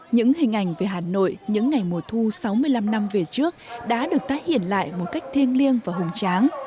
những hình ảnh về hà nội những ngày mùa thu sáu mươi năm năm về trước đã được tái hiện lại một cách thiêng liêng và hùng tráng